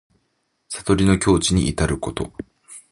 悟りの境地にいたること。